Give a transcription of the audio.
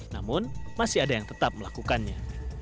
namun masih ada yang tetap melakukannya